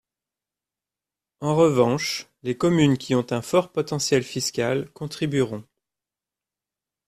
En revanche, les communes qui ont un fort potentiel fiscal contribueront.